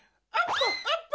アップ！